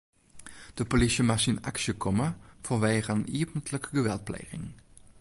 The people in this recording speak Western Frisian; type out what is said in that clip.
De polysje moast yn aksje komme fanwegen iepentlike geweldpleging.